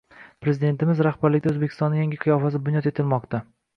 Prezidentimiz rahbarligida Oʻzbekistonning yangi qiyofasi bunyod etilmoqda.